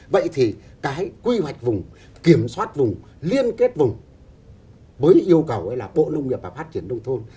vậy thì cái quy hoạch vùng kiểm soát vùng liên kết vùng với yêu cầu là bộ nông nghiệp và phát triển nông thôn